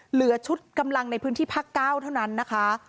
เหลือชุดกำลังในพื้นที่ภาค๙เท่านั้นนะคะ